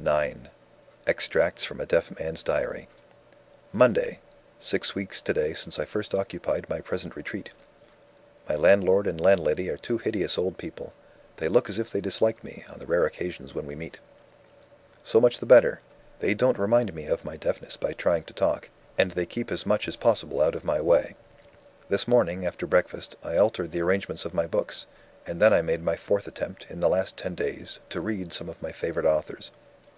IX EXTRACTS FROM A DEAF MAN'S DIARY "Monday. Six weeks today since I first occupied my present retreat. "My landlord and landlady are two hideous old people. They look as if they disliked me, on the rare occasions when we meet. So much the better; they don't remind me of my deafness by trying to talk, and they keep as much as possible out of my way. This morning, after breakfast, I altered the arrangement of my books and then I made my fourth attempt, in the last ten days, to read some of my favorite authors.